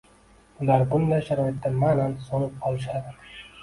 ular bunday sharoitda ma’nan «so‘nib» qolishadi